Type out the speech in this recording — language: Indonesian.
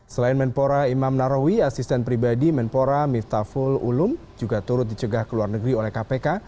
selain menpora imam narawi asisten pribadi menpora miftahul ulum juga turut dicegah ke luar negeri oleh kpk